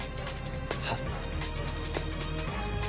はっ？